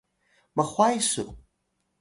mhuway su